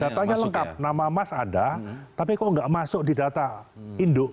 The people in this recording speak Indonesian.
datanya lengkap nama mas ada tapi kok nggak masuk di data induk